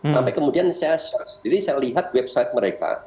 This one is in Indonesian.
sampai kemudian saya lihat website mereka